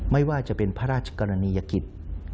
ไม่ว่าจะเป็นพระราชกรณียกิจ